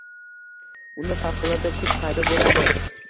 unda favqulodda kuch paydo boʻladi